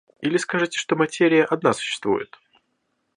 Или скажете, что материя одна существует?